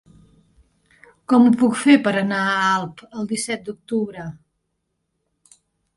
Com ho puc fer per anar a Alp el disset d'octubre?